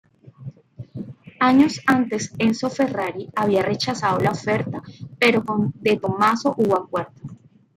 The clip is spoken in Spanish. Años antes Enzo Ferrari había rechazado la oferta, pero con De Tomaso hubo acuerdo.